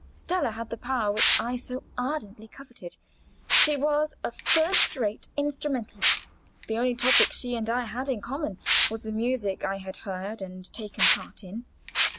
Stella had the power which I so ardently coveted: she was a first rate instrumentalist. The only topic she and I had in common was the music I had heard and taken part in.